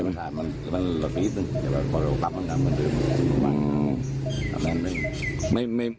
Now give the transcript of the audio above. มันหลอดนิดหนึ่งพอเราปั๊บมันกันมันจะเกิดเหตุการณ์อีก